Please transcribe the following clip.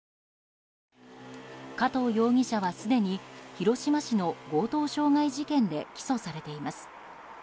加藤容疑者はすでに広島市の強盗傷害事件で起訴されています。